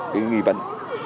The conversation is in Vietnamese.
cái nghi vấn